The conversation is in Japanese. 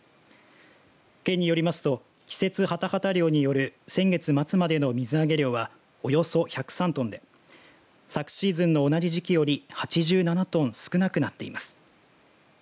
県によりますと季節ハタハタ漁による先月末までの水揚げ量はおよそ１０３トンで昨シーズンの同じ時期より８７トン少なくなっています。